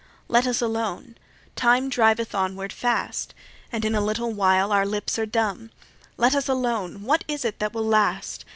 Let us alone. Time driveth onward fast, And in a little while our lips are dumb. Let us alone. What is it that will last?